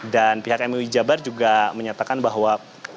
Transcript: dan pihak mui jabar juga menyatakan bahwa